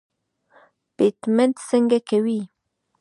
پیمنټ څنګه کوې.